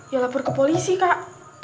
ya lapor ke polisi kak